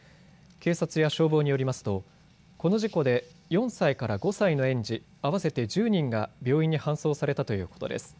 警察や消防によりますとこの事故で４歳から５歳の園児合わせて１０人が病院に搬送されたということです。